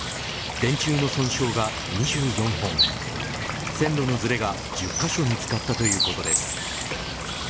電柱の損傷が２４本線路のずれが１０カ所見つかったということです。